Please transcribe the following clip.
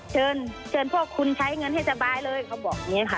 เชิญเชิญพ่อคุณใช้เงินให้สบายเลยเขาบอกอย่างนี้ค่ะ